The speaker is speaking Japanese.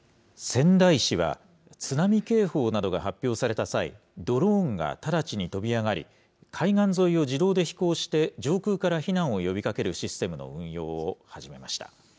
仙台市は、津波警報などが発表された際、ドローンが直ちに飛び上がり、海岸沿いを自動で飛行して上空から避難を呼びかけるシステムの運用を始めました。